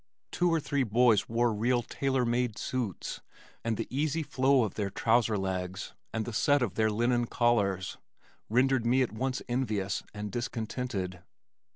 Two or three boys wore real tailor made suits, and the easy flow of their trouser legs and the set of their linen collars rendered me at once envious and discontented.